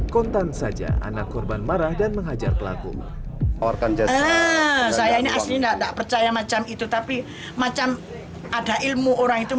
kontan saja anak korban marah dan menghajar pelaku